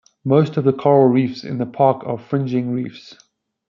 Most of the coral reefs in the park are fringing reefs.